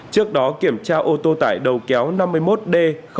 trước đó kiểm tra ô tô tải đầu kéo năm mươi một d bốn trăm ba mươi ba